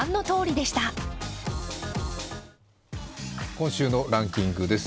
今週のランキングです。